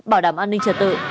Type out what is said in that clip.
bảo đảm an ninh trật tự